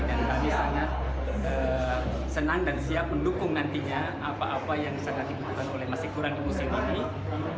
dan kami sangat senang dan siap mendukung nantinya apa apa yang sangat dibutuhkan oleh masyikuran museum ini